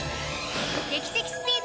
劇的スピード！